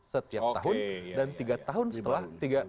setiap tahun dan tiga tahun setelah tiga tahun